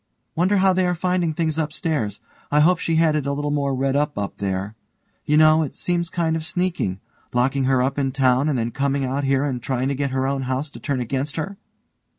_) Wonder how they are finding things upstairs. I hope she had it a little more red up up there. You know, it seems kind of sneaking. Locking her up in town and then coming out here and trying to get her own house to turn against her!